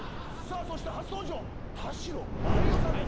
そして初登場田代万里生さんです。